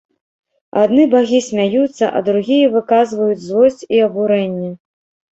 Адны багі смяюцца, а другія выказваюць злосць і абурэнне.